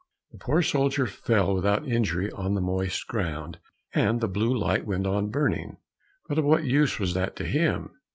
The poor soldier fell without injury on the moist ground, and the blue light went on burning, but of what use was that to him?